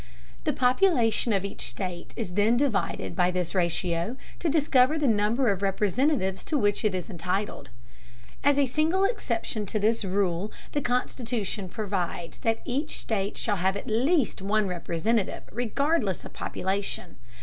The population of each state is then divided by this ratio to discover the number of Representatives to which it is entitled. As a single exception to this rule, the Constitution provides that each state shall have at least one Representative regardless of population.